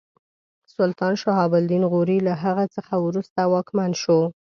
سلطان شهاب الدین غوري له هغه څخه وروسته واکمن شو.